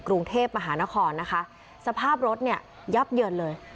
กรุงเทพมหานครนะคะสภาพรถเนี่ยยับเยินเลย